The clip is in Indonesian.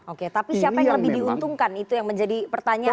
oke tapi siapa yang lebih diuntungkan itu yang menjadi pertanyaan